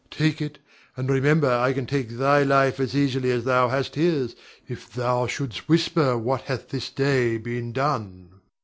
Take it, and remember I can take thy life as easily as thou hast his, if thou shouldst whisper what hath been this day done.